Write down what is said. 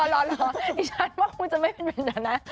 อ๋อหรออีชันว่าคุณจะไม่เป็นแบบนั้นนะ